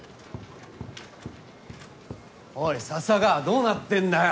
おい笹川どうなってんだよ。